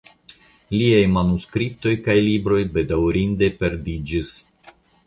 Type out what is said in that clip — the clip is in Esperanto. Liaj manuskriptoj kaj libroj bedaŭrinde perdiĝis.